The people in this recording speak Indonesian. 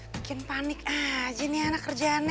bikin panik aja nih anak kerjaannya